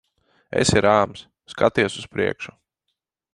Esi rāms. Skaties uz priekšu.